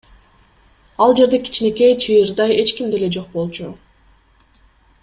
Ал жерде кичинекей чыйырда эч ким деле жок болчу.